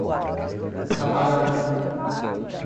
Amaralina